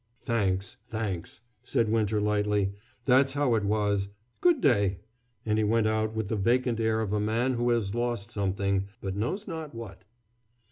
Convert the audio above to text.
"Thanks, thanks," said Winter lightly, "that's how it was good day"; and he went out with the vacant air of a man who has lost something, but knows not what.